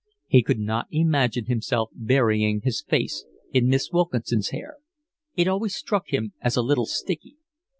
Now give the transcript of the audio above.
He could not imagine himself burying his face in Miss Wilkinson's hair, it always struck him as a little sticky.